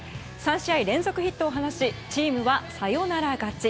３試合連続ヒットを放ちチームはサヨナラ勝ち。